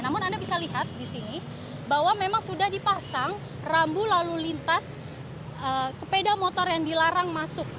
namun anda bisa lihat di sini bahwa memang sudah dipasang rambu lalu lintas sepeda motor yang dilarang masuk